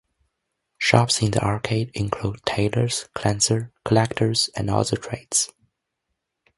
Shops in the arcade include tailors, cleanser, collectors and other trades.